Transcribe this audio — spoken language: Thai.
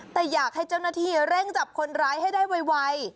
แต่อยากให้เจ้าหน้าที่เร่งจับคนร้ายให้ได้ไว